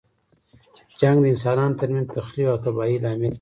جنګ د انسانانو تر منځ تخریب او تباهۍ لامل کیږي.